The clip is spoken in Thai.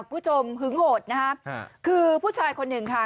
คุณผู้ชมหึงโหดนะฮะคือผู้ชายคนหนึ่งค่ะ